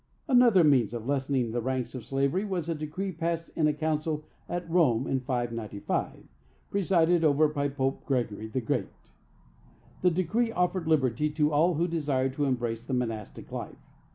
Another means of lessening the ranks of slavery was a decree passed in a council at Rome, in 595, presided over by Pope Gregory the Great. This decree offered liberty to all who desired to embrace the monastic life.